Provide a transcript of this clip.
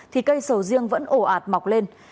thì cây sầu riêng vẫn ổ ạt mọc lên